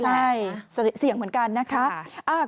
ใช่เสี่ยงเหมือนกันนะคะ